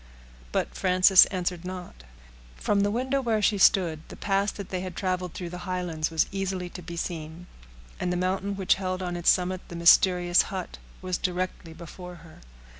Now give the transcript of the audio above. But Frances answered not. From the window where she stood, the pass that they had traveled through the Highlands was easily to be seen; and the mountain which held on its summit the mysterious hut was directly before her.